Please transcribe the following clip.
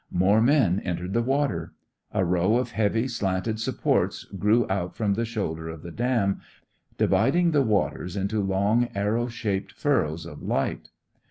More men entered the water. A row of heavy, slanted supports grew out from the shoulder of the dam, dividing the waters into long, arrow shaped furrows of light.